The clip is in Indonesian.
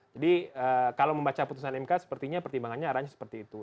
jadi kalau membaca keputusan mk sepertinya pertimbangannya aranya seperti itu